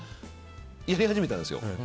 入れ始めたんですよ